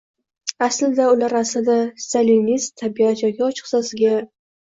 Aslida, ular, aslida, Stalinist tabiat yoki ochiqchasiga